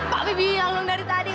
pak bebi bilang dari tadi